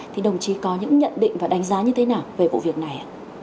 thì đồng chí có những nhận định và đánh giá như thế nào về vụ việc này ạ